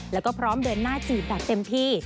แล้วก็พร้อมเดินหน้าจีบแบบเต็มที่